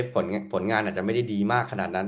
ผลงานอาจจะไม่ได้ดีมากขนาดนั้น